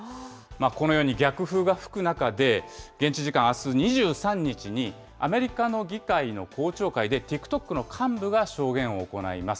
このように逆風が吹く中で、現地時間あす２３日に、アメリカの議会の公聴会でＴｉｋＴｏｋの幹部が証言を行います。